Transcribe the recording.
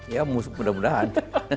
jadi saya berharap